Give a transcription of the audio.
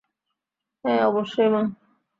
হ্যাঁ, অবশ্যই, মা।